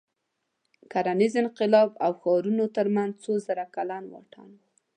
د کرنیز انقلاب او ښارونو تر منځ څو زره کلن واټن و.